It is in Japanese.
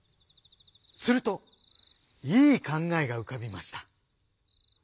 するといいかんがえがうかびました。